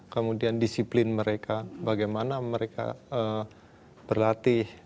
kemudian disiplin mereka bagaimana mereka berlatih